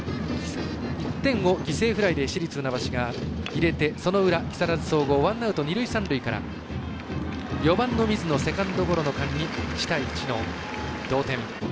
１点を犠牲フライで市立船橋が入れてその裏、木更津総合ワンアウト、二塁三塁から４番の水野、セカンドゴロの間に１対１、同点。